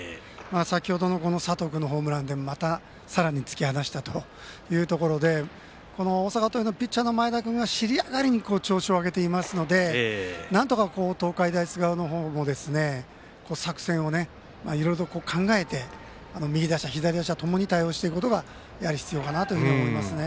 先ほどの佐藤君のホームランでまた、さらに突き放したというところでこの大阪桐蔭のピッチャーの前田君が尻上がりに調子を上げていますのでなんとか東海大菅生の方も作戦をいろいろと考えて右打者、左打者ともに対応していくことがやはり必要かなと思いますね。